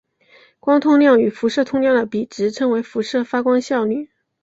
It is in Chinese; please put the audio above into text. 光通量与辐射通量的比值称为辐射发光效率。